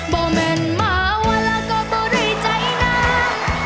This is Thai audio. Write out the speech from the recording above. พอเมินเมาะลักก็บ่ร่ายใจนั่ง